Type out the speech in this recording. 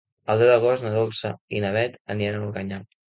El deu d'agost na Dolça i na Beth aniran a Organyà.